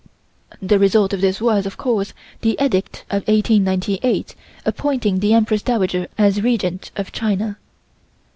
(The result of this was, of course, the Edict of 1898 appointing the Empress Dowager as Regent of China.)